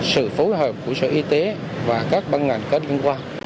sự phối hợp của sở y tế và các băng ngành có liên quan